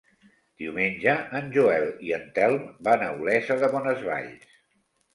Diumenge en Joel i en Telm van a Olesa de Bonesvalls.